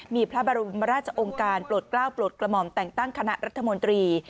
มีพระบรมราชองค์การโปรดกล้าวโปรดกระหม่อมแต่งตั้งคณะรัฐมนตรี